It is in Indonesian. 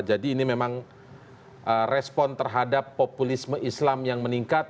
jadi ini memang respon terhadap populisme islam yang meningkat